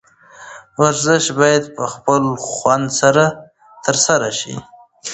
ورزش باید په خوند سره ترسره شي.